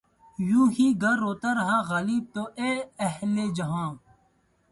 یوں ہی گر روتا رہا غالب! تو اے اہلِ جہاں